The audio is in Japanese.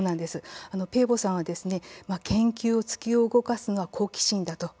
ペーボさんは研究を突き動かすのは好奇心だと。